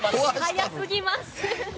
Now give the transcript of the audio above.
早すぎます。